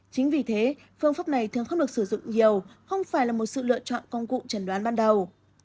chính vì thế phương pháp này thường không được sử dụng nhiều không phải là một sự lựa chọn công cụ trần đoán ban đầu